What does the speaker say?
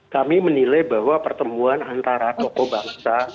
kami menilai bahwa pertemuan antara tokoh bangsa